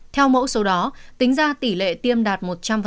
theo mẫu số đó tính ra tỷ lệ tiêm đạt một trăm linh